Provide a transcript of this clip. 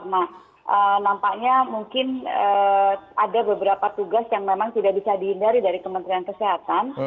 nah nampaknya mungkin ada beberapa tugas yang memang tidak bisa dihindari dari kementerian kesehatan